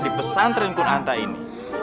di pesantren kunanta ini